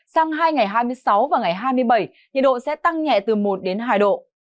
sang hai ngày hai mươi sáu và ngày hai mươi bảy nhiệt độ sẽ tăng nhẹ từ một đến hai độ